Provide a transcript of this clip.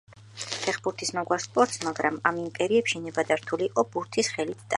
ფეხბურთის მაგვარ სპორტს, მაგრამ ამ იმპერიებში ნებადართული იყო ბურთის ხელით ტარებაც.